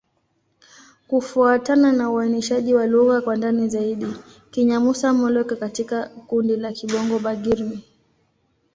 Kufuatana na uainishaji wa lugha kwa ndani zaidi, Kinyamusa-Molo iko katika kundi la Kibongo-Bagirmi.